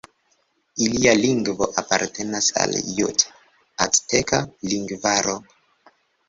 Ilia lingvo apartenas al la jut-azteka lingvaro.